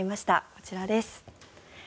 こちらです。